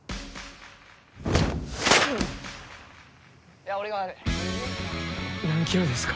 いや俺が悪い何キロですか？